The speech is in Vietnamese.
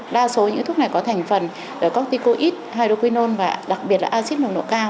đa số những thuốc này có thành phần cóc ticoid hydroquinone và đặc biệt là axit nồng độ cao